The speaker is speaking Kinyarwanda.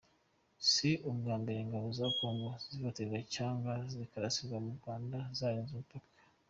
Si ubwa mbere ingabo za Congo zifatirwa cyangwa zikarasirwa mu Rwanda zarenze umupaka.